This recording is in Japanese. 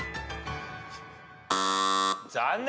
残念。